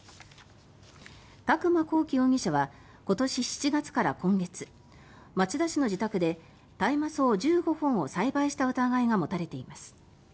宅間孔貴容疑者は今年７月から今月町田市の自宅で大麻草１５本を栽培した疑いが持たれています。